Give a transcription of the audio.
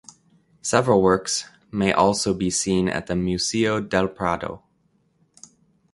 Several works may also be seen at the Museo del Prado.